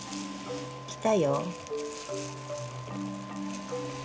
来たよ。